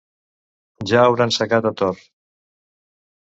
Ja hauran segat a Tor!